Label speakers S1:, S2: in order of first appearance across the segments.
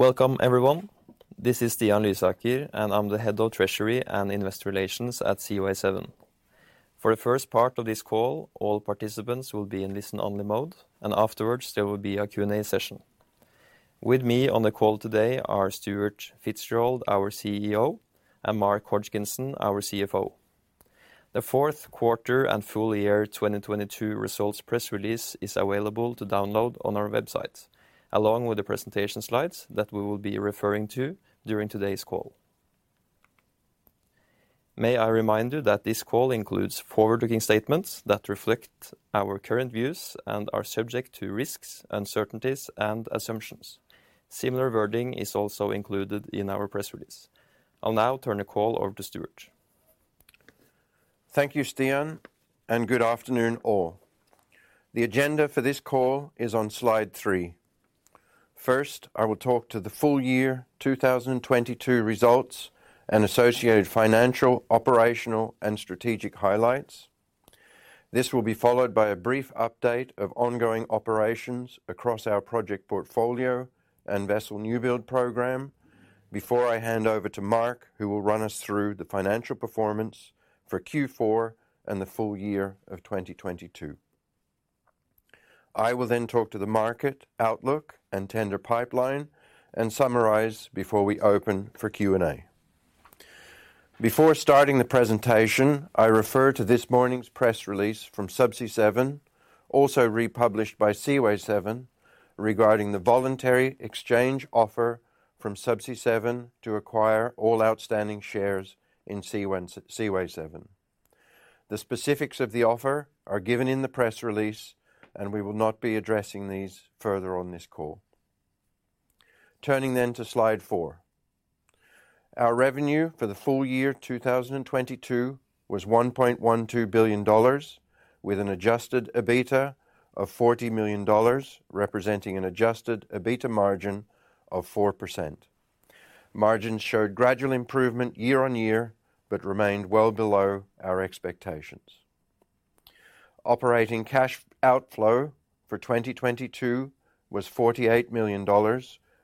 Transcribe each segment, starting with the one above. S1: Welcome everyone. This is Stian Lysaker, and I'm the Head of Treasury and Investor Relations at Seaway 7. For the first part of this call, all participants will be in listen-only mode, and afterwards, there will be a Q&A session. With me on the call today are Stuart Fitzgerald, our CEO, and Mark Hodgkinson, our CFO. The fourth quarter and full year 2022 results press release is available to download on our website, along with the presentation slides that we will be referring to during today's call. May I remind you that this call includes forward-looking statements that reflect our current views and are subject to risks, uncertainties, and assumptions. Similar wording is also included in our press release. I'll now turn the call over to Stuart.
S2: Thank you, Stian. Good afternoon all. The agenda for this call is on slide three. First, I will talk to the full year 2022 results and associated financial, operational, and strategic highlights. This will be followed by a brief update of ongoing operations across our project portfolio and vessel new build program before I hand over to Mark, who will run us through the financial performance for Q4 and the full year of 2022. I will talk to the market outlook and tender pipeline and summarize before we open for Q&A. Before starting the presentation, I refer to this morning's press release from Subsea 7, also republished by Seaway 7, regarding the voluntary exchange offer from Subsea 7 to acquire all outstanding shares in Seaway 7. The specifics of the offer are given in the press release, we will not be addressing these further on this call. Turning to slide four. Our revenue for the full year 2022 was $1.12 billion, with an Adjusted EBITDA of $40 million, representing an Adjusted EBITDA margin of 4%. Margins showed gradual improvement year on year but remained well below our expectations. Operating cash outflow for 2022 was $48 million,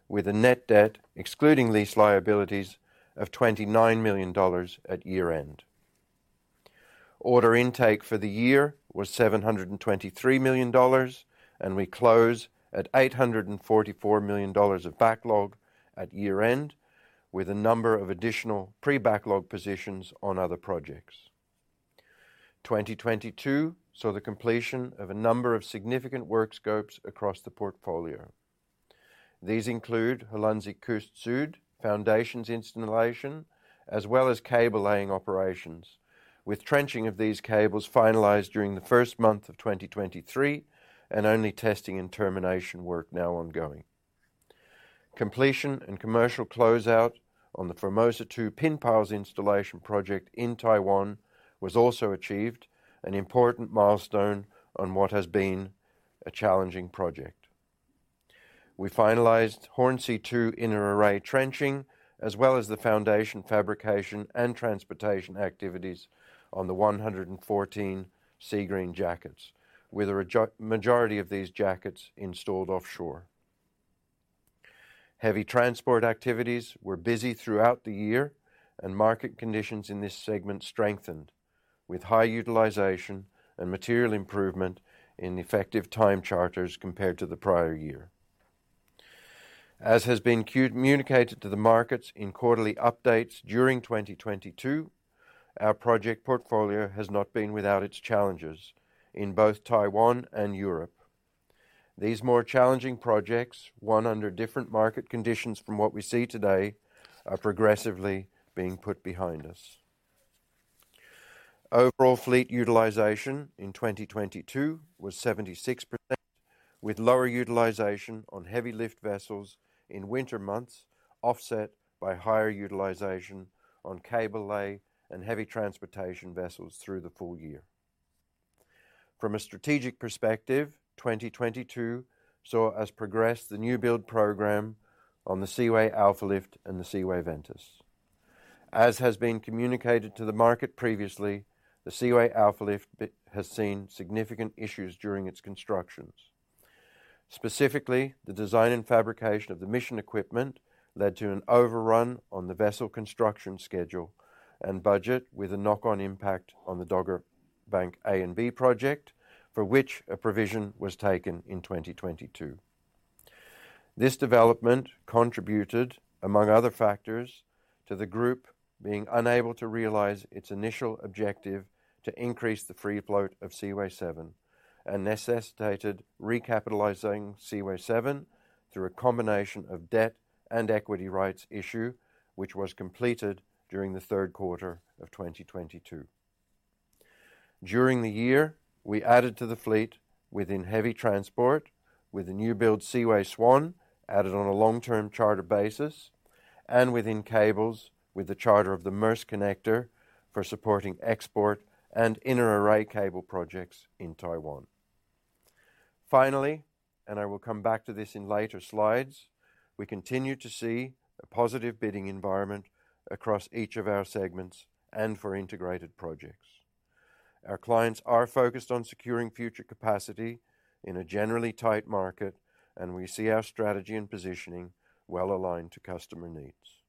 S2: with a net debt excluding these liabilities of $29 million at year-end. Order intake for the year was $723 million, we close at $844 million of backlog at year-end, with a number of additional pre-backlog positions on other projects. 2022 saw the completion of a number of significant work scopes across the portfolio. These include Hollandse Kust Zuid foundations installation, as well as cable laying operations, with trenching of these cables finalized during the first month of 2023 and only testing and termination work now ongoing. Completion and commercial closeout on the Formosa Two pin piles installation project in Taiwan was also achieved, an important milestone on what has been a challenging project. We finalized Hornsea Two inner array trenching, as well as the foundation fabrication and transportation activities on the 114 Seagreen jackets, with a majority of these jackets installed offshore. Heavy transport activities were busy throughout the year, and market conditions in this segment strengthened with high utilization and material improvement in effective time charters compared to the prior year. As has been communicated to the markets in quarterly updates during 2022, our project portfolio has not been without its challenges in both Taiwan and Europe. These more challenging projects, won under different market conditions from what we see today, are progressively being put behind us. Overall fleet utilization in 2022 was 76%, with lower utilization on heavy lift vessels in winter months, offset by higher utilization on cable lay and heavy transportation vessels through the full year. From a strategic perspective, 2022 saw us progress the new build program on the Seaway Alfa Lift and the Seaway Ventus. As has been communicated to the market previously, the Seaway Alfa Lift has seen significant issues during its constructions. Specifically, the design and fabrication of the mission equipment led to an overrun on the vessel construction schedule and budget with a knock-on impact on the Dogger Bank A and B project, for which a provision was taken in 2022. This development contributed, among other factors, to the group being unable to realize its initial objective to increase the free float of Seaway 7 and necessitated recapitalizing Seaway 7 through a combination of debt and equity rights issue, which was completed during the third quarter of 2022. During the year, we added to the fleet within heavy transportation with the new build Seaway Swan added on a long-term charter basis and within cables with the charter of the Maersk Connector for supporting export and inner array cable projects in Taiwan. Finally, I will come back to this in later slides, we continue to see a positive bidding environment across each of our segments and for integrated projects. Our clients are focused on securing future capacity in a generally tight market, and we see our strategy and positioning well-aligned to customer needs.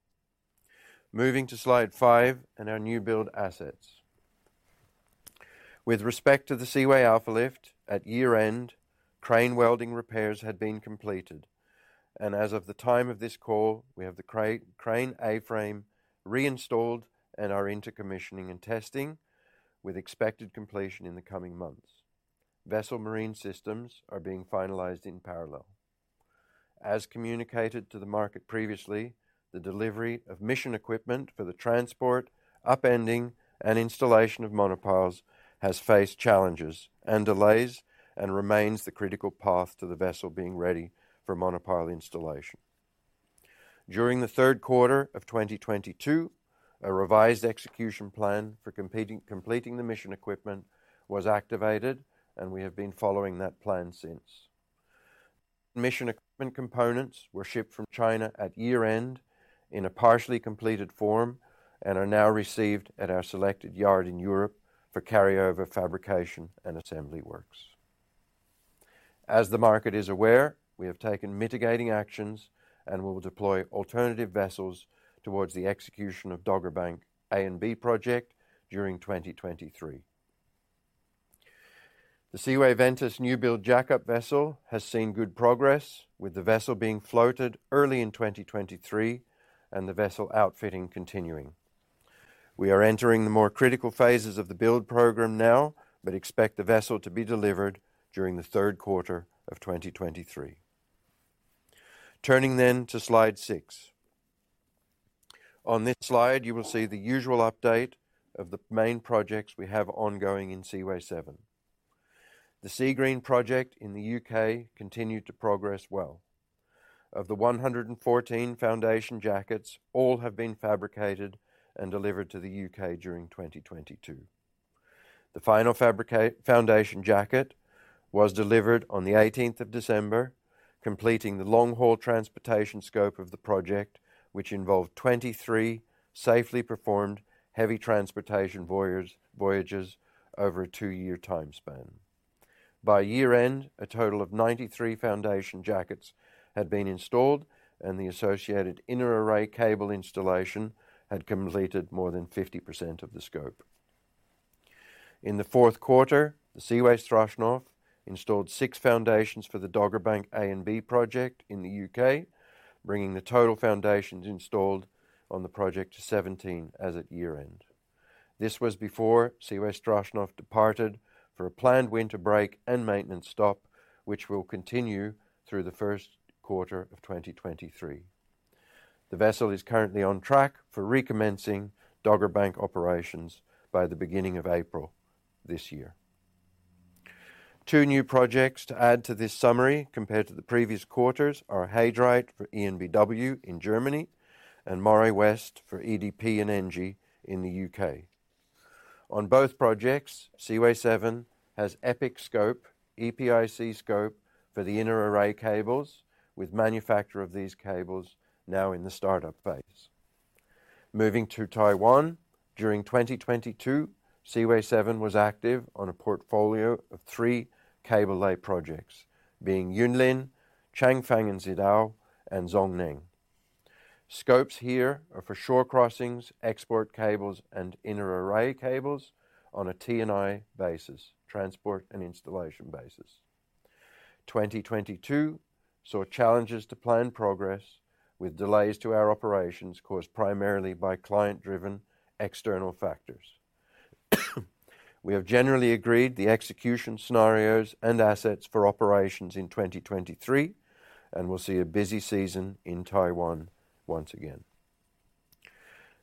S2: Moving to slide five and our new build assets. With respect to the Seaway Alfa Lift, at year-end, crane welding repairs had been completed. As of the time of this call, we have the crane A-frame reinstalled and are into commissioning and testing, with expected completion in the coming months. Vessel marine systems are being finalized in parallel. As communicated to the market previously, the delivery of mission equipment for the transport, upending, and installation of monopiles has faced challenges and delays, and remains the critical path to the vessel being ready for monopile installation. During the third quarter of 2022, a revised execution plan for completing the mission equipment was activated, and we have been following that plan since. Mission equipment components were shipped from China at year-end in a partially completed form and are now received at our selected yard in Europe for carryover fabrication and assembly works. As the market is aware, we have taken mitigating actions and will deploy alternative vessels towards the execution of Dogger Bank A and B project during 2023. The Seaway Ventus new build jack-up vessel has seen good progress, with the vessel being floated early in 2023 and the vessel outfitting continuing. We are entering the more critical phases of the build program now, but expect the vessel to be delivered during the third quarter of 2023. Turning to slide six. On this slide, you will see the usual update of the main projects we have ongoing in Seaway 7. The Seagreen project in the U.K. continued to progress well. Of the 114 foundation jackets, all have been fabricated and delivered to the U.K. during 2022. The final foundation jacket was delivered on the 18th of December, completing the long-haul transportation scope of the project, which involved 23 safely performed heavy transportation voyages over a two-year time span. By year-end, a total of 93 foundation jackets had been installed, and the associated inner array cable installation had completed more than 50% of the scope. In the fourth quarter, the Seaway Strashnov installed six foundations for the Dogger Bank A and B project in the U.K., bringing the total foundations installed on the project to 17 as at year-end. This was before Seaway Strashnov departed for a planned winter break and maintenance stop, which will continue through the first quarter of 2023. The vessel is currently on track for recommencing Dogger Bank operations by the beginning of April this year. Two new projects to add to this summary compared to the previous quarters are He Dreiht for EnBW in Germany and Moray West for EDP and ENGIE in the U.K. On both projects, Seaway 7 has EPIC scope for the inner array cables, with manufacture of these cables now in the startup phase. Moving to Taiwan, during 2022, Seaway 7 was active on a portfolio of three cable lay projects, being Yunlin, Changfang and Xidao, and Zhongneng. Scopes here are for shore crossings, export cables, and inner array cables on a T&I basis, transport and installation basis. 2022 saw challenges to plan progress with delays to our operations caused primarily by client-driven external factors. We have generally agreed the execution scenarios and assets for operations in 2023, and we'll see a busy season in Taiwan once again.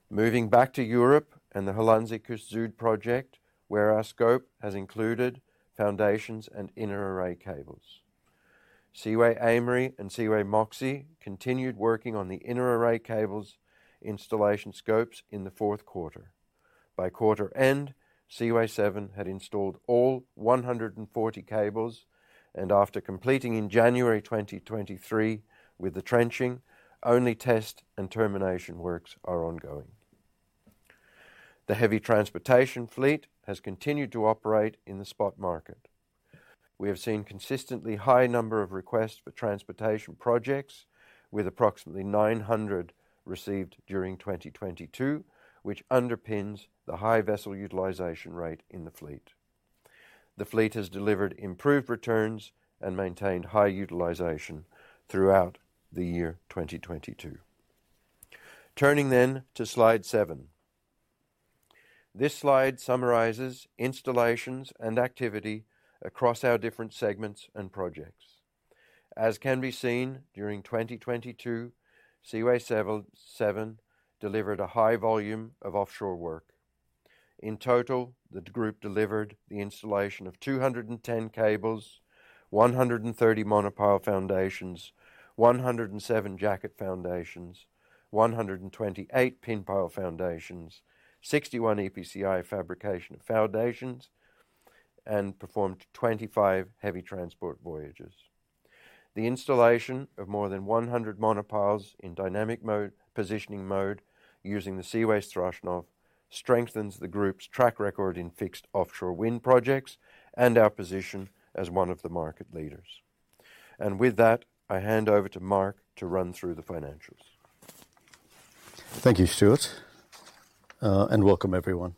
S2: Moving back to Europe and the Hollandse Kust Zuid project, where our scope has included foundations and inner array cables. Seaway Aimery and Seaway Moxie continued working on the inner array cables installation scopes in the fourth quarter. By quarter end, Seaway 7 had installed all 140 cables, and after completing in January 2023 with the trenching, only test and termination works are ongoing. The heavy transportation fleet has continued to operate in the spot market. We have seen consistently high number of requests for transportation projects, with approximately 900 received during 2022, which underpins the high vessel utilization rate in the fleet. The fleet has delivered improved returns and maintained high utilization throughout the year 2022. Turning to slide seven. This slide summarizes installations and activity across our different segments and projects. As can be seen during 2022, Seaway 7 delivered a high volume of offshore work. In total, the group delivered the installation of 210 cables, 130 monopile foundations, 107 jacket foundations, 128 pin pile foundations, 61 EPCI fabrication of foundations, and performed 25 heavy transport voyages. The installation of more than 100 monopiles in dynamic positioning mode using the Seaway Strashnov strengthens the group's track record in fixed offshore wind projects and our position as one of the market leaders. With that, I hand over to Mark to run through the financials.
S3: Thank you, Stuart, welcome everyone.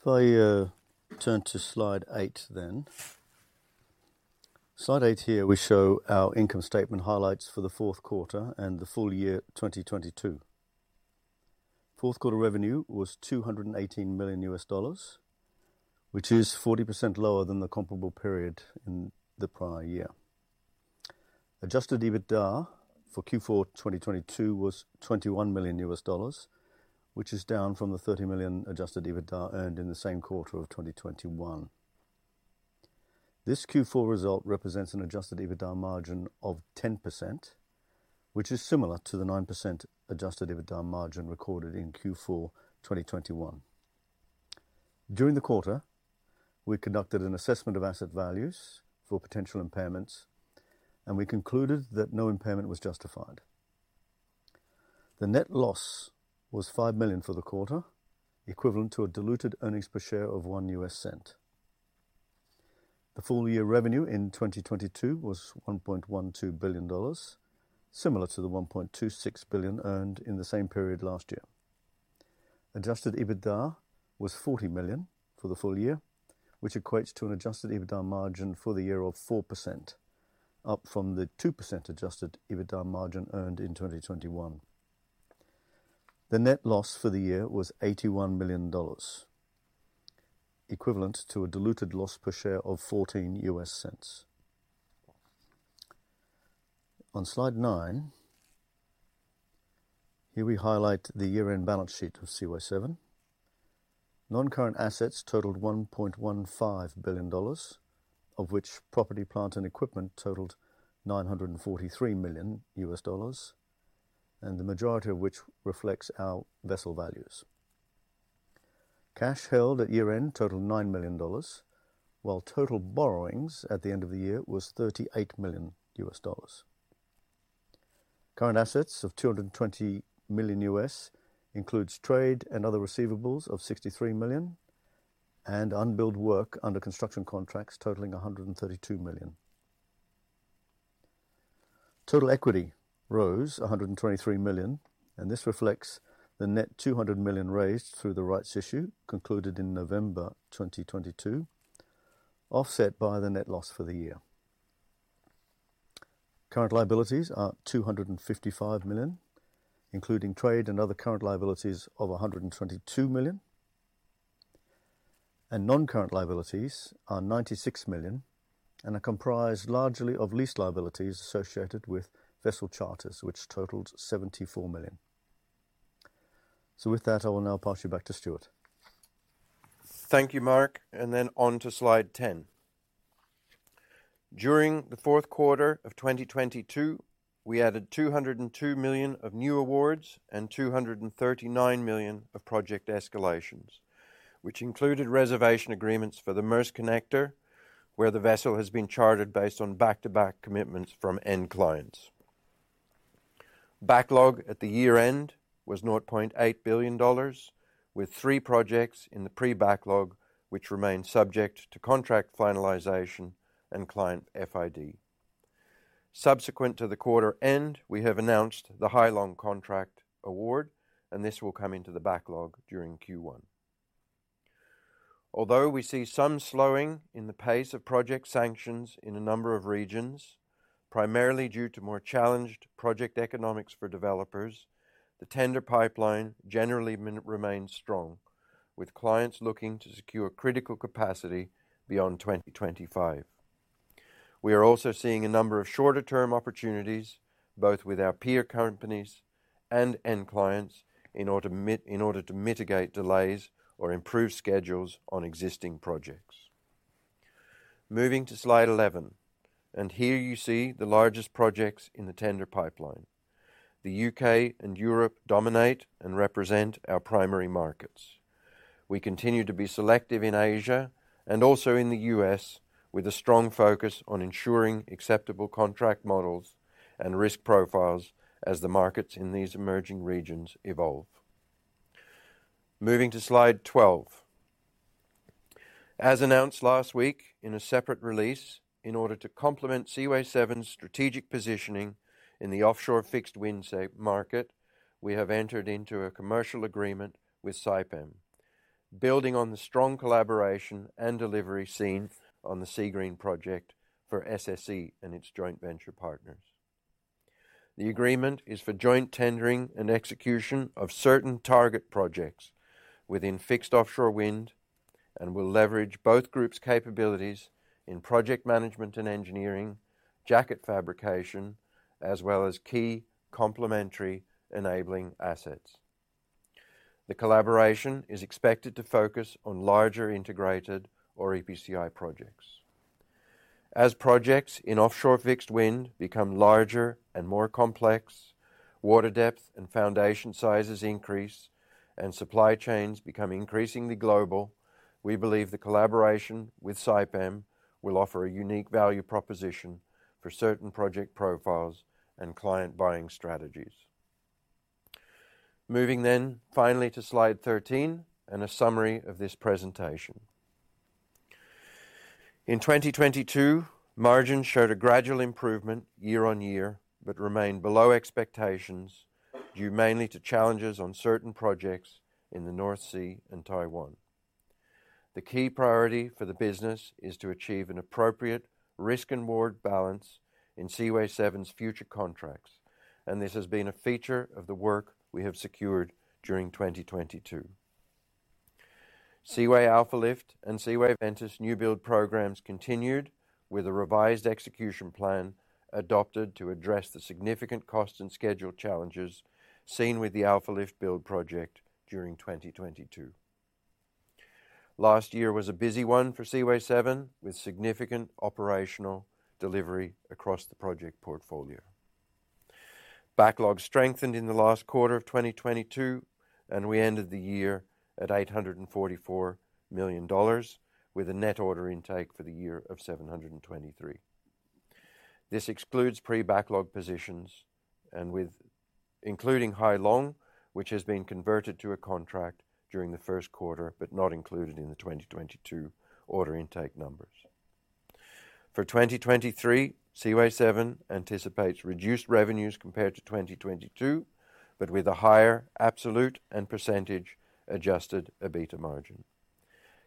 S3: If I turn to slide eight. Slide eight here we show our income statement highlights for the fourth quarter and the full year 2022. Fourth quarter revenue was $218 million, which is 40% lower than the comparable period in the prior year. Adjusted EBITDA for Q4 2022 was $21 million, which is down from the $30 million Adjusted EBITDA earned in the same quarter of 2021. This Q4 result represents an Adjusted EBITDA margin of 10%, which is similar to the 9% Adjusted EBITDA margin recorded in Q4 2021. During the quarter, we conducted an assessment of asset values for potential impairments, and we concluded that no impairment was justified. The net loss was $5 million for the quarter, equivalent to a diluted earnings per share of $0.01. The full year revenue in 2022 was $1.12 billion, similar to the $1.26 billion earned in the same period last year. Adjusted EBITDA was $40 million for the full year, which equates to an Adjusted EBITDA margin for the year of 4%, up from the 2% Adjusted EBITDA margin earned in 2021. The net loss for the year was $81 million, equivalent to a diluted loss per share of $0.14. On slide nine, here we highlight the year-end balance sheet of Seaway 7. Non-current assets totaled $1.15 billion, of which property, plant, and equipment totaled $943 million, and the majority of which reflects our vessel values. Cash held at year-end totaled $9 million, while total borrowings at the end of the year was $38 million. Current assets of $220 million includes trade and other receivables of $63 million and unbilled work under construction contracts totaling $132 million. Total equity rose $123 million. This reflects the net $200 million raised through the rights issue concluded in November 2022, offset by the net loss for the year. Current liabilities are $255 million, including trade and other current liabilities of $122 million. Non-current liabilities are $96 million and are comprised largely of lease liabilities associated with vessel charters, which totaled $74 million. With that, I will now pass you back to Stuart.
S2: Thank you, Mark. On to slide 10. During the fourth quarter of 2022, we added $202 million of new awards and $239 million of project escalations, which included reservation agreements for the Maersk Connector, where the vessel has been chartered based on back-to-back commitments from end clients. Backlog at the year-end was $0.8 billion, with three projects in the pre-backlog which remain subject to contract finalization and client FID. Subsequent to the quarter end, we have announced the Hai Long contract award. This will come into the backlog during Q1. Although we see some slowing in the pace of project sanctions in a number of regions, primarily due to more challenged project economics for developers, the tender pipeline generally remains strong, with clients looking to secure critical capacity beyond 2025. We are also seeing a number of shorter term opportunities, both with our peer companies and end clients in order to mitigate delays or improve schedules on existing projects. Moving to slide 11, here you see the largest projects in the tender pipeline. The U.K. and Europe dominate and represent our primary markets. We continue to be selective in Asia and also in the U.S. with a strong focus on ensuring acceptable contract models and risk profiles as the markets in these emerging regions evolve. Moving to slide 12. As announced last week in a separate release, in order to complement Seaway 7’s strategic positioning in the offshore fixed wind safe market, we have entered into a commercial agreement with Saipem, building on the strong collaboration and delivery seen on the Seagreen project for SSE and its joint venture partners. The agreement is for joint tendering and execution of certain target projects within fixed offshore wind and will leverage both groups' capabilities in project management and engineering, jacket fabrication, as well as key complementary enabling assets. The collaboration is expected to focus on larger integrated or EPCI projects. As projects in offshore fixed wind become larger and more complex, water depth and foundation sizes increase and supply chains become increasingly global. We believe the collaboration with Saipem will offer a unique value proposition for certain project profiles and client buying strategies. Moving finally to slide 13 and a summary of this presentation. In 2022, margins showed a gradual improvement year-on-year, but remained below expectations due mainly to challenges on certain projects in the North Sea and Taiwan. The key priority for the business is to achieve an appropriate risk and reward balance in Seaway 7's future contracts, and this has been a feature of the work we have secured during 2022. Seaway Alfa Lift and Seaway Ventus new build programs continued with a revised execution plan adopted to address the significant cost and schedule challenges seen with the Alfa Lift build project during 2022. Last year was a busy one for Seaway 7, with significant operational delivery across the project portfolio. Backlog strengthened in the last quarter of 2022, and we ended the year at $844 million, with a net order intake for the year of $723 million. This excludes pre-backlog positions and with including Hai Long, which has been converted to a contract during the first quarter, but not included in the 2022 order intake numbers. For 2023, Seaway 7 anticipates reduced revenues compared to 2022, with a higher absolute and percentage Adjusted EBITDA margin.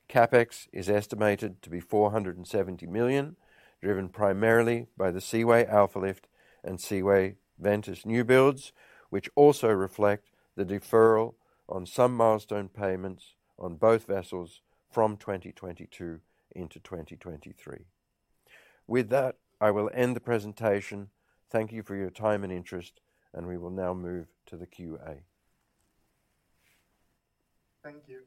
S2: CapEx is estimated to be $470 million, driven primarily by the Seaway Alfa Lift and Seaway Ventus new builds, which also reflect the deferral on some milestone payments on both vessels from 2022 into 2023. With that, I will end the presentation. Thank you for your time and interest, we will now move to the Q&A.
S4: Thank you.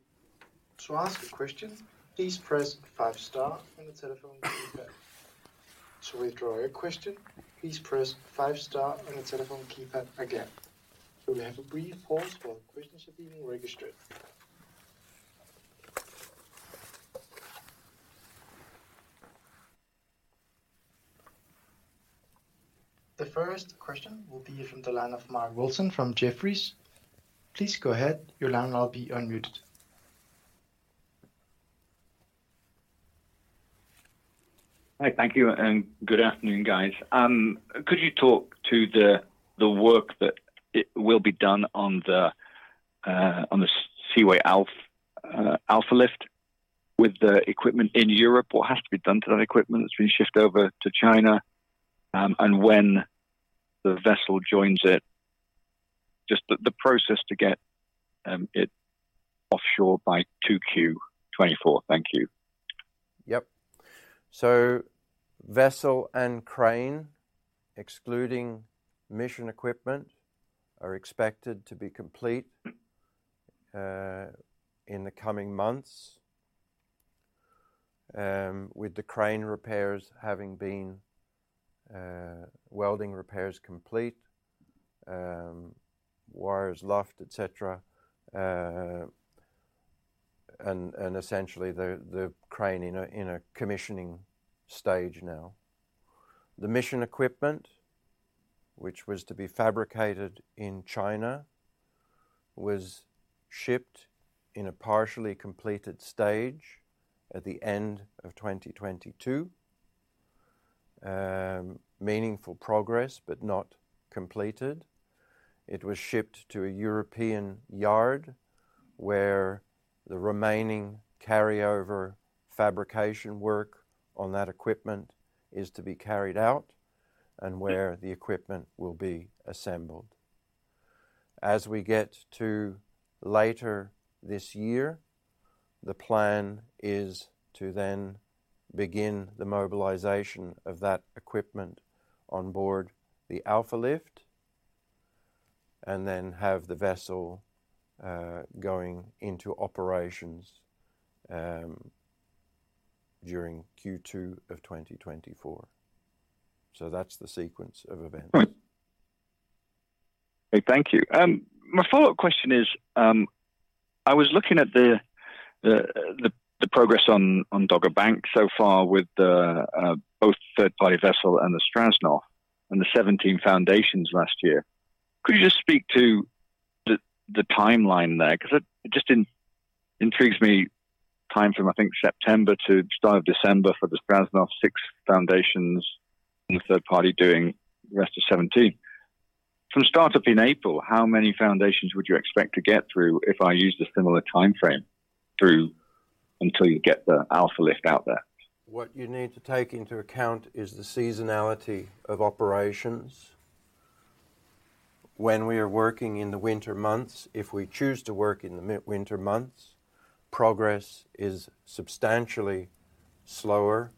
S4: To ask a question, please press five star on the telephone keypad. To withdraw your question, please press five star on the telephone keypad again. We will have a brief pause while questions are being registered. The first question will be from the line of Mark Wilson from Jefferies. Please go ahead. Your line will now be unmuted.
S5: Hi. Thank you and good afternoon, guys. Could you talk to the work that will be done on the Seaway Alfa Lift with the equipment in Europe? What has to be done to that equipment that's been shipped over to China, and when the vessel joins it? Just the process to get it offshore by 2Q 2024. Thank you.
S2: Yep. Vessel and crane, excluding Mission Equipment, are expected to be complete in the coming months. With the crane repairs having been welding repairs complete, wires loft, et cetera, and essentially the crane in a commissioning stage now. The Mission Equipment, which was to be fabricated in China, was shipped in a partially completed stage at the end of 2022. Meaningful progress, but not completed. It was shipped to a European yard where the remaining carryover fabrication work on that equipment is to be carried out and where the equipment will be assembled. As we get to later this year, the plan is to then begin the mobilization of that equipment on board the Alfa Lift and then have the vessel going into operations during Q2 of 2024. That's the sequence of events.
S5: Great. Thank you. My follow-up question is, I was looking at the progress on Dogger Bank so far with both third-party vessel and the Strashnov and the 17 foundations last year. Could you just speak to the timeline there? 'Cause it just intrigues me time from, I think, September to start of December for the Strashnov six foundations and the third party doing the rest of 17. From startup in April, how many foundations would you expect to get through if I used a similar timeframe through until you get the Alfa Lift out there?
S2: What you need to take into account is the seasonality of operations. When we are working in the winter months, if we choose to work in the mid winter months, progress is substantially slower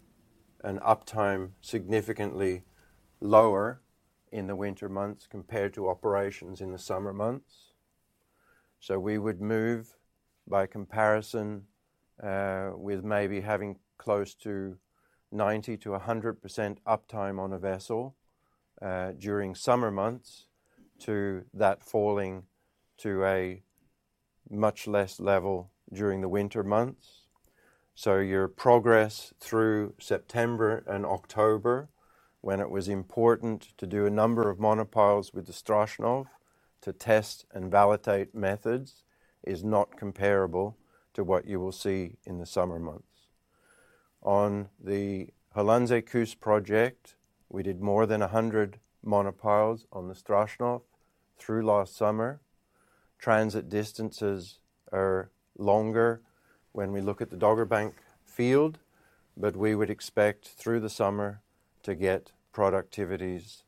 S2: and uptime significantly lower in the winter months compared to operations in the summer months. We would move by comparison, with maybe having close to 90%-100% uptime on a vessel during summer months to that falling to a much less level during the winter months. Your progress through September and October, when it was important to do a number of monopiles with the Strashnov to test and validate methods, is not comparable to what you will see in the summer months. On the Hollandse Kust project, we did more than 100 monopiles on the Strashnov through last summer. Transit distances are longer when we look at the Dogger Bank field, we would expect through the summer to get productivities,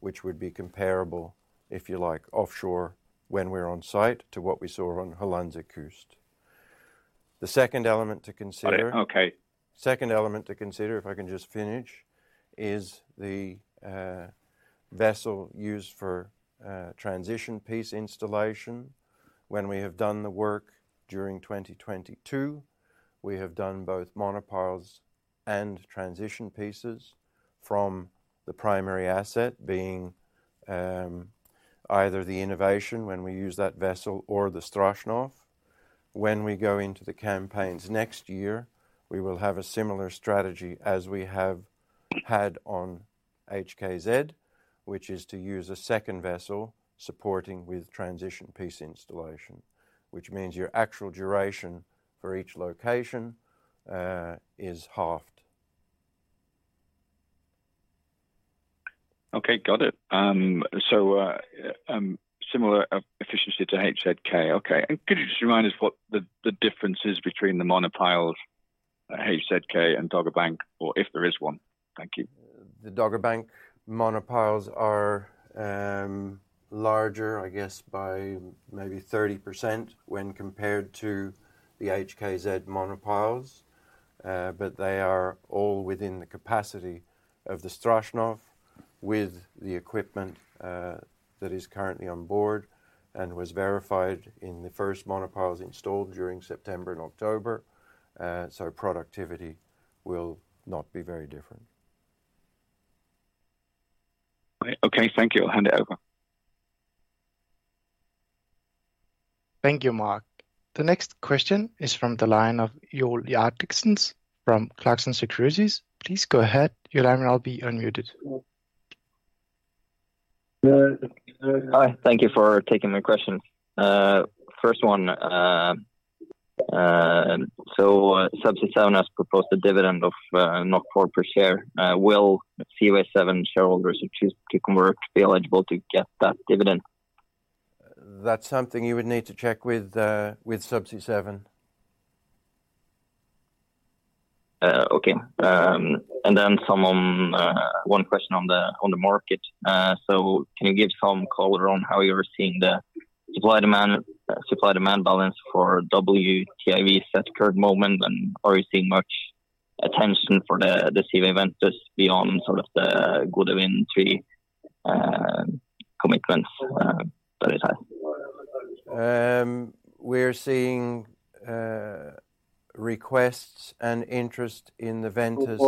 S2: which would be comparable, if you like, offshore when we're on site to what we saw on Hollandse Kust. The second element to consider.
S5: Okay.
S2: Second element to consider, if I can just finish, is the vessel used for transition piece installation. When we have done the work during 2022, we have done both monopiles and transition pieces from the primary asset being, either the Innovation when we use that vessel or the Strashnov. When we go into the campaigns next year, we will have a similar strategy as we have had on HKZ, which is to use a second vessel supporting with transition piece installation, which means your actual duration for each location is halved.
S5: Okay, got it. Similar e-efficiency to HKZ. Okay. Could you just remind us what the difference is between the monopiles at HKZ and Dogger Bank or if there is one? Thank you.
S2: The Dogger Bank monopiles are larger, I guess by maybe 30% when compared to the HKZ monopiles. They are all within the capacity of the Strashnov with the equipment that is currently on board and was verified in the first monopiles installed during September and October. Productivity will not be very different.
S5: Okay, thank you. I'll hand it over.
S4: Thank you, Mark. The next question is from the line of Joel Jardins from Clarksons Securities. Please go ahead. Your line will now be unmuted.
S6: Hi, thank you for taking my question. First one, Subsea 7 has proposed a dividend of 4 per share. Will Seaway 7 shareholders who choose to convert be eligible to get that dividend?
S2: That's something you would need to check with Subsea 7.
S6: Okay. Some on one question on the market. Can you give some color on how you're seeing the supply demand balance for WTIVs at current moment and are you seeing much attention for the Seaway Ventus beyond sort of the Gode Wind 3 commitments that is there?
S2: We're seeing requests and interest in the Ventus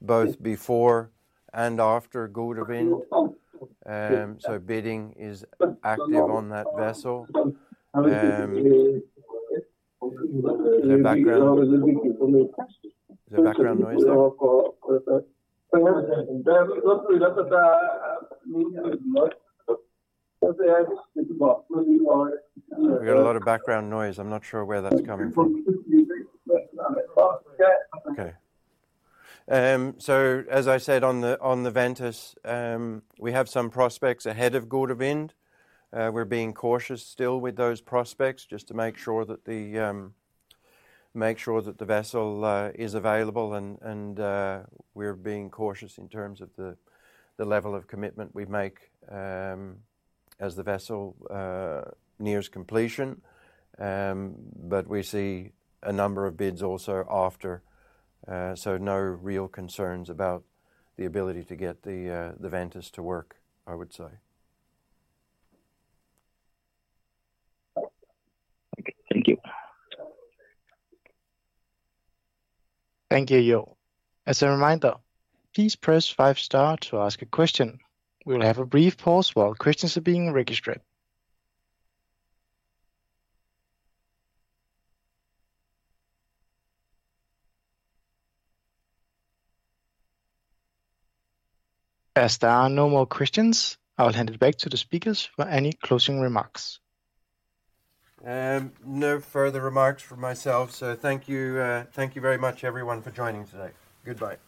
S2: both before and after Gode Wind. Bidding is active on that vessel. Is there background noise there? We got a lot of background noise. I'm not sure where that's coming from. Okay. As I said, on the Ventus, we have some prospects ahead of Gode Wind. We're being cautious still with those prospects just to make sure that the vessel is available and we're being cautious in terms of the level of commitment we make as the vessel nears completion. We see a number of bids also after, no real concerns about the ability to get the Ventus to work, I would say.
S6: Okay. Thank you.
S4: Thank you, Joel. As a reminder, please press five star to ask a question. We will have a brief pause while questions are being registered. There are no more questions, I will hand it back to the speakers for any closing remarks.
S2: No further remarks from myself. Thank you, thank you very much everyone for joining today. Goodbye.